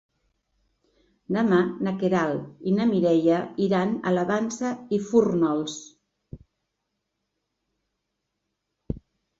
Demà na Queralt i na Mireia iran a la Vansa i Fórnols.